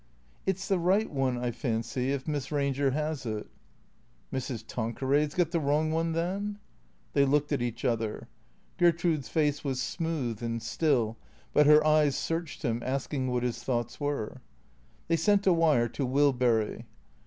" It 's the right one, I fancy, if Miss Ranger has it." " Mrs. Tanqueray's got the wrong one, then ?" They looked at each other. Gertrude's face was smooth and still, but her eyes searched him, asking what his thoughts were. They sent a wire to Wilbury.